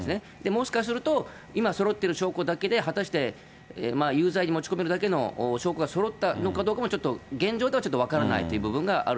もしかすると、今そろってる証拠だけで果たして有罪に持ち込めるだけの証拠がそろったのかどうかも、ちょっと現状では、ちょっと分からない部分